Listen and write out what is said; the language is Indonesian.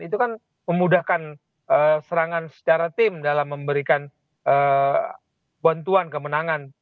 itu kan memudahkan serangan secara tim dalam memberikan bantuan kemenangan